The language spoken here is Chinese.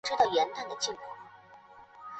汪亚尘。